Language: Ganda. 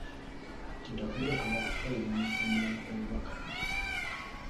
Kintu atumiddwa Kabaka okutwalira omuntu omulala obubaka.